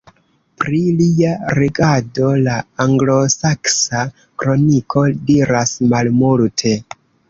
Pri lia regado la Anglosaksa Kroniko diras malmulte.